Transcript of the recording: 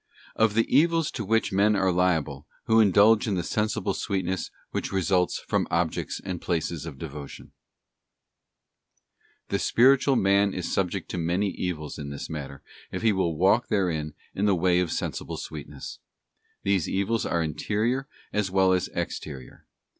Of some evils to which men are liable who indulge in the sensible sweet ness which results from objects and places of devotion, TuE spiritual man is subject to many evils in this matter if he will walk therein in the way of sensible sweetness. These evils are Interior as well as Exterior.